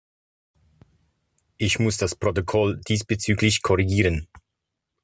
Ich muss das Protokoll diesbezüglich korrigieren.